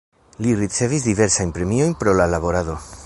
Li ricevis diversajn premiojn pro la laborado.